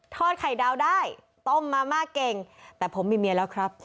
ไข่ดาวได้ต้มมาม่าเก่งแต่ผมมีเมียแล้วครับ